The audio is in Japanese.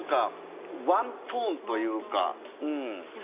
ワントーンというか。